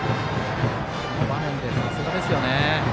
あの場面で、さすがですよね。